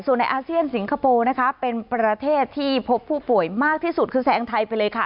ส่วนในอาเซียนสิงคโปร์นะคะเป็นประเทศที่พบผู้ป่วยมากที่สุดคือแซงไทยไปเลยค่ะ